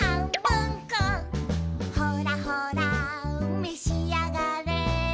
「ほらほらめしあがれ」